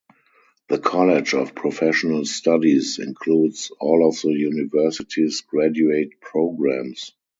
The College of Professional Studies includes all of the university's graduate programs.